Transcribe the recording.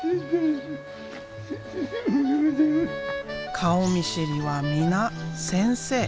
顔見知りは皆先生。